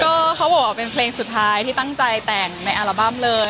ก็เขาบอกว่าเป็นเพลงสุดท้ายที่ตั้งใจแต่งในอัลบั้มเลย